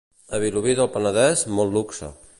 A Vilobí del Penedès, molt luxe.